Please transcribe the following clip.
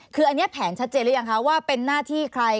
คืออันนี้แผนชัดเจนหรือยังคะว่าเป็นหน้าที่ใคร